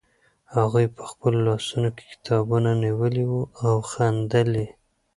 هغوی په خپلو لاسونو کې کتابونه نیولي وو او خندل یې.